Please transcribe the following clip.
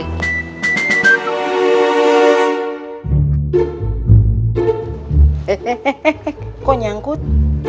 hehehe kok nyangkut